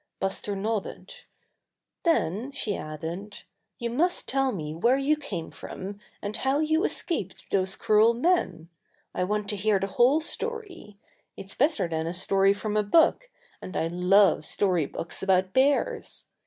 Buster nodded. "Then," she added, "you must tell me where you came from, and how you escaped those cruel men. I want to hear the whole story. It's better than a story from a book, and I love story books about bears.